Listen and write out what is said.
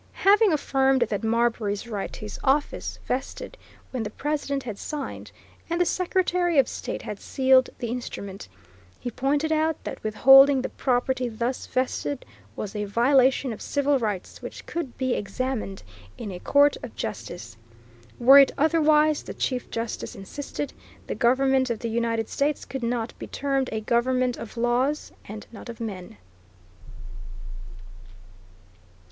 Having affirmed that Marbury's right to his office vested when the President had signed, and the Secretary of State had sealed the instrument, he pointed out that withholding the property thus vested was a violation of civil rights which could be examined in a court of justice. Were it otherwise, the Chief Justice insisted, the government of the United States could not be termed a government of laws and not of men.